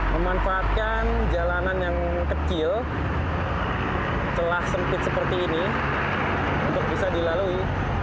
memanfaatkan jalanan yang kecil celah sempit seperti ini untuk bisa dilalui